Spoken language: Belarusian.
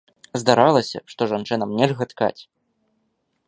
Здаралася, што жанчынам нельга ткаць.